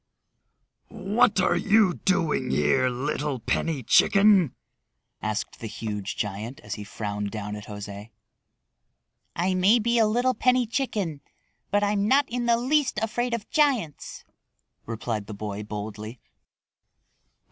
"What are you doing here, little penny chicken?" asked the huge giant as he frowned down at José. [Illustration: He frowned down at José] "I may be a little penny chicken, but I'm not in the least afraid of giants," replied the boy boldly.